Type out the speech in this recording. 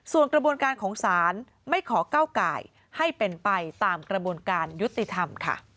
ส่วนกระบวนการของศาลไม่ขอก้าวไก่ให้เป็นไปตามกระบวนการยุติธรรมค่ะ